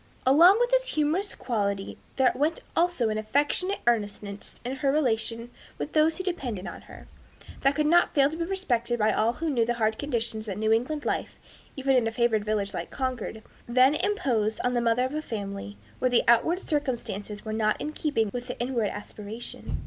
Along with this humorous quality there went also an affectionate earnestness in her relation with those who depended on her, that could not fail to be respected by all who knew the hard conditions that New England life, even in a favored village like Concord, then imposed on the mother of a family, where the outward circumstances were not in keeping with the inward aspiration.